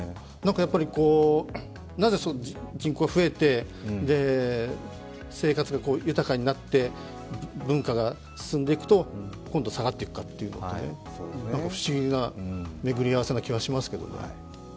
なぜ人口が増えて生活が豊かになって、文化が進んでいくと、こんど下がっていくのかというね、何か不思議な巡り合わせな気がしますけど。